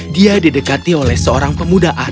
dia didekati oleh seorang pemuda